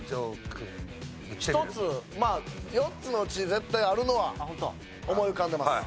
１つまあ４つのうち絶対あるのは思い浮かんでます。